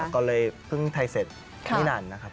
ก็เลยเพิ่งไทยเสร็จไม่นานนะครับ